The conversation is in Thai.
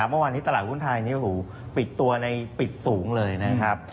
เมื่อวานนี้ตลาดหุ้นไทยปิดตัวในปิดสูงเลยนะครับ